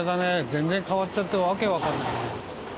全然変わっちゃって訳分かんないね。